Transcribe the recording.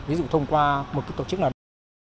ví dụ thông qua một tổ chức nào đó